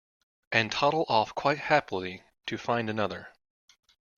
And toddle off quite happily to find another.